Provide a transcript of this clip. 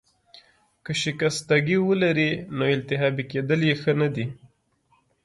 که شکستګي ولرې، نو التهابي کیدل يې ښه نه دي.